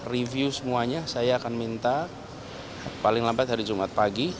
review semuanya saya akan minta paling lambat hari jumat pagi